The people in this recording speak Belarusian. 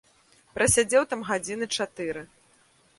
Прасядзеў там гадзіны чатыры.